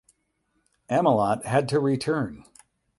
Amelot had to return.